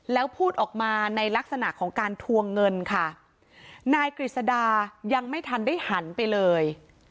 แล้วพูดออกมาในลักษณะของการทวงเงินค่ะนายกฤษดายังไม่ทันได้หันไปเลย